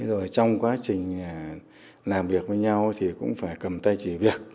rồi trong quá trình làm việc với nhau thì cũng phải cầm tay chỉ việc